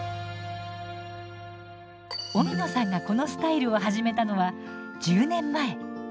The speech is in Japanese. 荻野さんがこのスタイルを始めたのは１０年前。